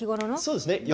そうですね。